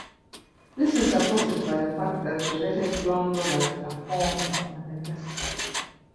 This is supported by the fact that the related ground-rollers are found on Madagascar.